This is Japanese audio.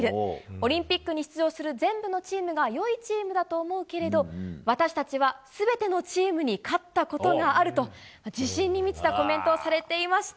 オリンピックに出場する全部のチームが良いチームだと思うけれど私たちは全てのチームに勝ったことがあると自信に満ちたコメントをされていました。